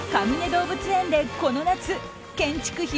動物園でこの夏、建築費